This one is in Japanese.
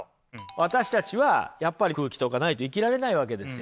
私たちはやっぱり空気とかないと生きられないわけですよ。